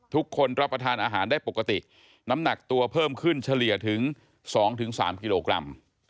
รับประทานอาหารได้ปกติน้ำหนักตัวเพิ่มขึ้นเฉลี่ยถึง๒๓กิโลกรัม